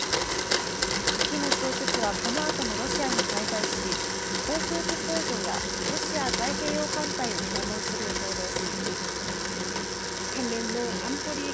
キム総書記はこのあともロシアに滞在し、航空機工場や、ロシア太平洋艦隊を訪問する予定です。